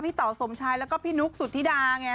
เต๋าสมชายแล้วก็พี่นุ๊กสุธิดาไง